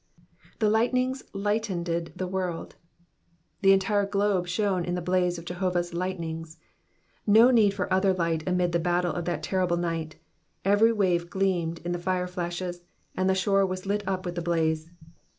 "^'The lightnings lightened the world,''^ The entire globe shone in the blaze of Jehovah's lightnings. No need for other light amid the battle of that terrible night, every wave gleamed in the fire flashes, atid the shore was lit up with the blaze.